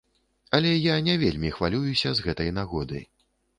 Але я не вельмі хвалююся з гэтай нагоды.